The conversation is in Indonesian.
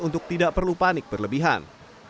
untuk tidak perlu panik berlebihan